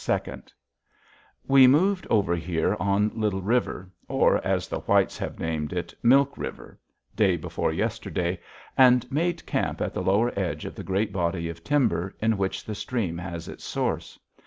_ We moved over here on Little River or, as the whites have named it, Milk River day before yesterday, and made camp at the lower edge of the great body of timber in which the stream has its source.